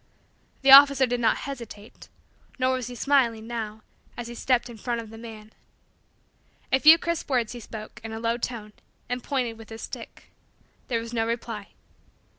The officer did not hesitate; nor was he smiling, now, as he stepped in front of the man. A few crisp words he spoke, in a low tone, and pointed with his stick. There was no reply.